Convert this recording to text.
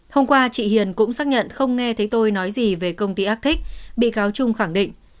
hôm qua chị hiền cũng xác nhận không nghe thấy tôi nói gì về công ty ác thích bị cáo trung khẳng định